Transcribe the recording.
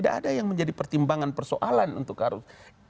tidak ada yang menjadi pertimbangan persoalan untuk harus